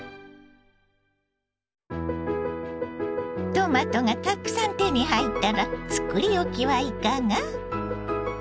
トマトがたくさん手に入ったら作り置きはいかが。